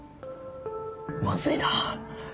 まずいな。